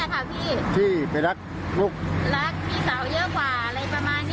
ก็เลยเห็นฟุมท้องกับแม่เขา